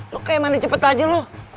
lo kayak mandi cepet aja lo